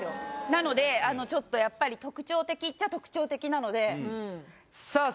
なのでちょっとやっぱり特徴的っちゃ特徴的なのでさあ